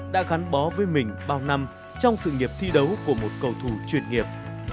đã gắn bó với mình bao năm trong sự nghiệp thi đấu của một cầu thủ chuyên nghiệp